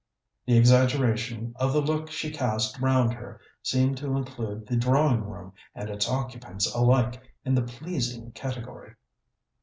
The exaggeration of the look she cast round her seemed to include the drawing room and its occupants alike in the pleasing category.